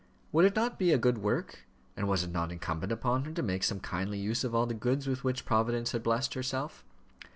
Would it not be a good work? and was it not incumbent on her to make some kindly use of all the goods with which Providence had blessed herself?